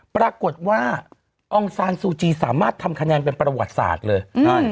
ปรากฏว่าองซานซูจีสามารถทำคะแนนเป็นประวัติศาสตร์เลย